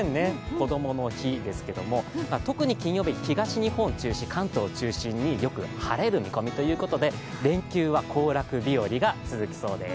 こどもの日ですけど、特に金曜日、東日本、関東を中心によく晴れる見込みということで連休は行楽日和が続きそうです。